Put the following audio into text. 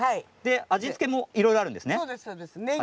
味付けもいろいろあるんですね。